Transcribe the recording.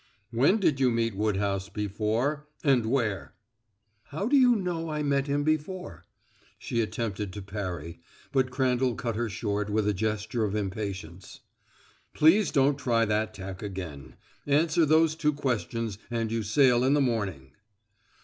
"When did you meet Woodhouse before and where?" "How do you know I met him before?" She attempted to parry, but Crandall cut her short with a gesture of impatience: "Please don't try that tack again. Answer those two questions, and you sail in the morning."